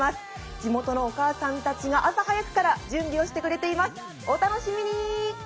地元のお母さんたちが朝早くから準備をしてくれています。